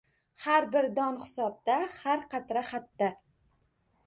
Har bir don hisobda, har qatra xatda.